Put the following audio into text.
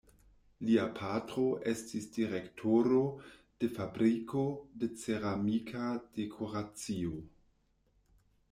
Lia patro estis direktoro de fabriko de ceramika dekoracio.